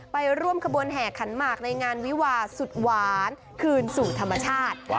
ไปร่วมขบวนแห่ขันหมากในงานวิวาสุดหวานคืนสู่ธรรมชาติ